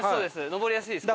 上りやすいです